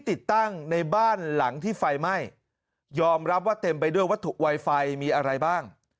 ติดตั้งในบ้านหลังที่ไฟไหม้ยอมรับว่าเต็มไปด้วยวัตถุไวไฟมีอะไรบ้าง